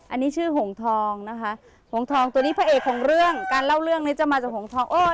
อันนี้ชื่อหงทองนะคะหงทองตัวนี้พระเอกของเรื่องการเล่าเรื่องนี้จะมาจากหงทองโอ้ย